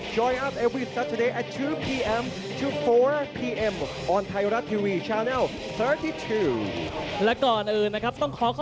กลับมาทุกสัปดาห์๒นาทีถึง๔นาที